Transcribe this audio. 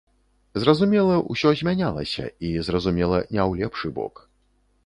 Зразумела, усё змянялася, і, зразумела, не ў лепшы бок.